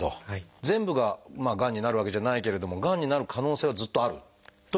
全部ががんになるわけじゃないけれどもがんになる可能性はずっとあるというような。